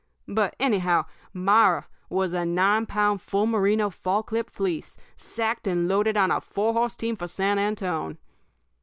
But, anyhow, Myra was a nine pound, full merino, fall clip fleece, sacked and loaded on a four horse team for San Antone.